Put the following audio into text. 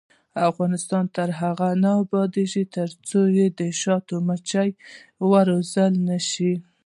افغانستان تر هغو نه ابادیږي، ترڅو د شاتو مچۍ وروزل نشي.